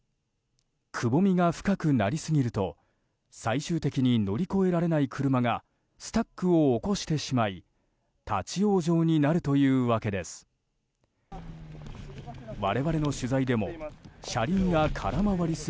くぼみが深くなりすぎると最終的に乗り越えられない車がスタックを起こしてしまい立ち往生になるというわけです。